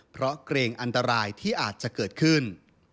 เพราะเกรงอันตรายที่อาจจะเกิดขึ้น